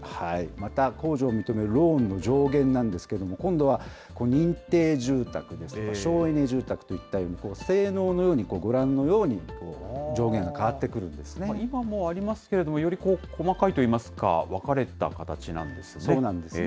また控除を認めるローンの上限なんですけれども、今度は認定住宅ですとか、省エネ住宅といったように、性能のように、ご覧のように、上限が今もありますけれども、より細かいといいますか、分かれた形なんですね。